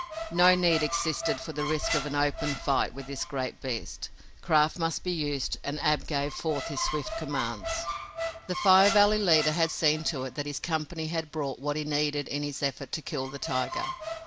No need existed for the risk of an open fight with this great beast. Craft must be used and Ab gave forth his swift commands. The Fire Valley leader had seen to it that his company had brought what he needed in his effort to kill the tiger.